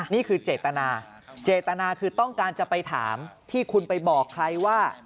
นี่คือเจตนาเจตนาคือต้องการจะไปถามที่คุณไปบอกใครว่า